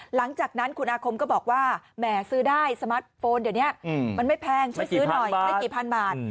หลังจากนั้นคุณอาคมก็บอกว่าแหมซื้อได้สมาร์ทโฟนเดี๋ยวนี้มันไม่แพงช่วยซื้อหน่อยไม่กี่พันบาท